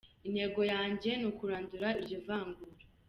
Intego yanjye ni ukurandura iryo vangura.